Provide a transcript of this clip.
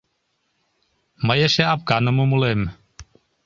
Мый эше афганым умылем.